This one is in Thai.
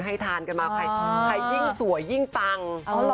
ห้ายิ่งสวยห้ายิ่งตัง